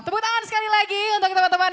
tepuk tangan sekali lagi untuk teman teman